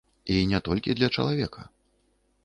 І не толькі для чалавека.